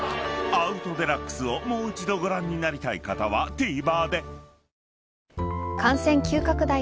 ［『アウト×デラックス』をもう一度ご覧になりたい方はＴＶｅｒで］